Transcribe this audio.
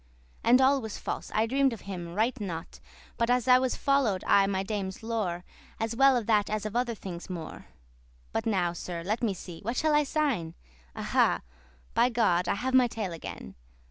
And all was false, I dream'd of him right naught, But as I follow'd aye my dame's lore, As well of that as of other things more.] <25> But now, sir, let me see, what shall I sayn? Aha! by God, I have my tale again.